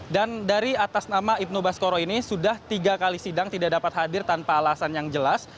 dan dari atas nama ibnu baskoro ini sudah tiga kali sidang tidak dapat hadir tanpa alasan yang jelas